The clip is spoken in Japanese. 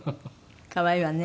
可愛いわね。